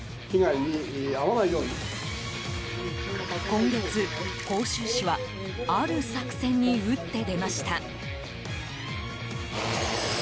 今月、甲州市はある作戦に打って出ました。